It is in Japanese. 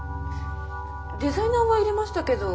デザイナーは入れましたけど。